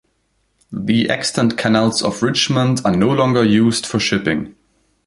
The extant canals of Richmond are no longer used for shipping.